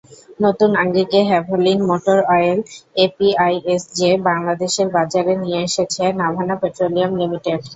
নতুন আঙ্গিকে Havoline motor oil API SJ বাংলাদেশের বাজারে নিয়ে এসেছে নাভানা পেট্রোলিয়াম লিমিটেড।